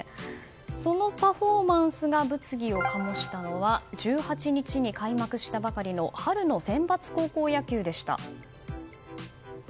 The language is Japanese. そのパフォーマンスが物議を醸したのは１８日に開幕したばかりの春のセンバツ高校野球でした。